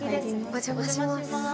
お邪魔します。